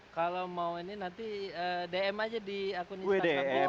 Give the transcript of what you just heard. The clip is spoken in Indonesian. kalau mau ini nanti dm aja di akun instagram